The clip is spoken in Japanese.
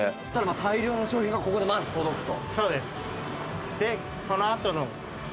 大量の商品がここにまず届くと。